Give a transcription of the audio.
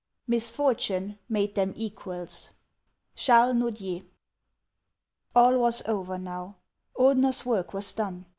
XLIV. Misfortune made them equals. — CHAKLES NODIER. ALL was over now ; Ordener's work was done.